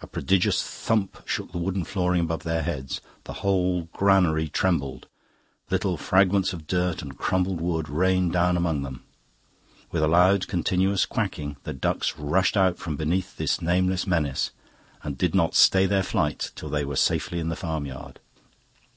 A prodigious thump shook the wooden flooring above their heads; the whole granary trembled, little fragments of dirt and crumbled wood rained down among them. With a loud, continuous quacking the ducks rushed out from beneath this nameless menace, and did not stay their flight till they were safely in the farmyard.